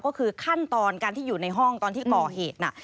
ก็คือขั้นตอนการที่อยู่ในห้องตอนที่ก่อเหตุน่ะ